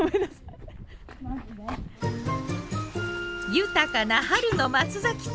豊かな春の松崎町。